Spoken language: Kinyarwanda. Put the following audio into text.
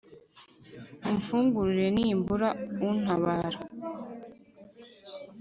umfungurire; nimbura untabara